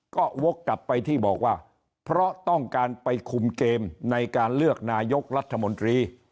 ก็วกกลับไปที่บอกว่าเพราะต้องการไปคุมเกมในการเลือกนายกรัฐมนตรี